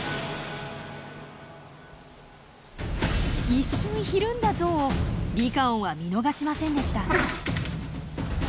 一瞬ひるんだゾウをリカオンは見逃しませんでした。